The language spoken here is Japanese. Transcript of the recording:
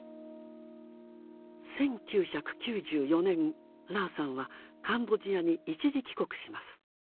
１９９４年ラーさんはカンボジアに一時帰国します。